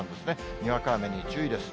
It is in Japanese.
にわか雨に注意です。